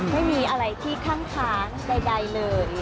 ไม่มีอะไรที่ข้างใดเลย